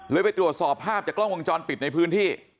ไปตรวจสอบภาพจากกล้องวงจรปิดในพื้นที่